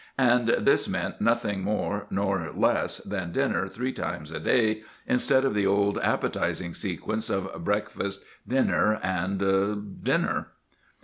And this meant nothing more nor less than dinner three times a day, instead of the old appetizing sequence of breakfast, dinner, and—dinner.